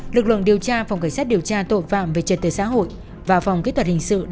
lực lượng điều tra phòng cảnh sát điều tra tội phạm về trật tế xã hội và phòng kỹ thuật hình sự đã nhanh chóng